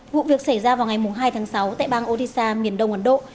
vụ việc xảy ra vào ngày hai tháng sáu tại bang odisha miền đông ấn độ